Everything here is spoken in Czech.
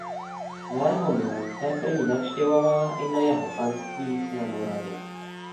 Svého milence prý navštěvovala i na jeho panstvích na Moravě.